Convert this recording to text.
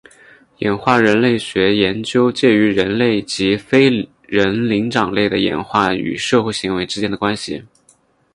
演化人类学研究介于人科及非人灵长类的演化与社会行为之间的关系。